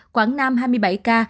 quảng nam hai mươi bảy ca